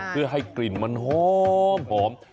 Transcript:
เพื่อให้กลิ่นมันหอม